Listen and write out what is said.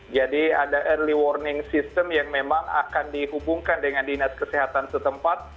jadi ada early warning system yang memang akan dihubungkan dengan dinas kesehatan setempat